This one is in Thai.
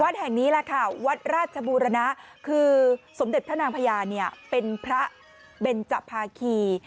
แห่งนี้แหละค่ะวัดราชบูรณะคือสมเด็จพระนางพญาเนี่ยเป็นพระเบนจภาคี